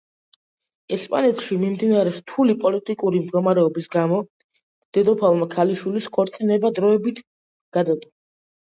ესპანეთში მიმდინარე რთული პოლიტიკური მდგომარეობის გამო დედოფალმა ქალიშვილის ქორწინება დროებით გადადო.